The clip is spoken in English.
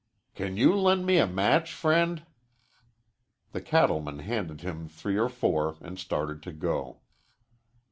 "Can you lend me a match, friend?" The cattleman handed him three or four and started to go.